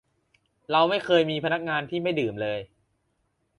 เราไม่เคยมีพนักงานที่ไม่ดื่มเลย